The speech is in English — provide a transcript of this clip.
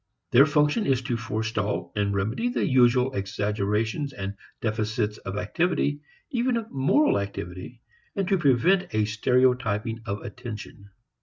Their function is to forestall and remedy the usual exaggerations and deficits of activity, even of "moral" activity and to prevent a stereotyping of attention.